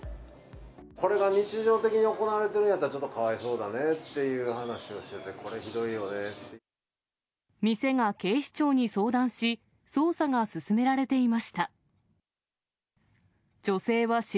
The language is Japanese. これが日常的に行われているんやったら、ちょっとかわいそうだねっていう話をしてて、これ、ひどいよねっ店が警視庁に相談し、捜査が進められていました。